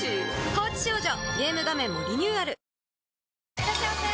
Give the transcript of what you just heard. いらっしゃいませ！